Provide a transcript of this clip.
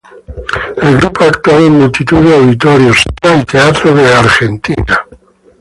El grupo ha actuado en multitud de auditorios, salas y teatros de Argentina.